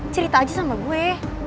cerita aja sama gue